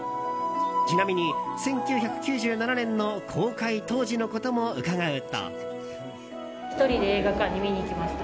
ちなみに１９９７年の公開当時のことも伺うと。